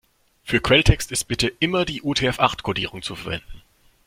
Für Quelltext ist bitte immer die UTF-acht-Kodierung zu verwenden.